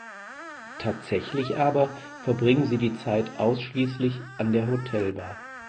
Tatsächlich aber verbringen sie die Zeit ausschließlich an der Hotelbar.